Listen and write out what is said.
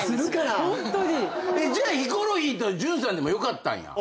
じゃあヒコロヒーと順さんでもよかったんや。